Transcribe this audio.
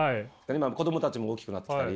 子供たちも大きくなってきたり。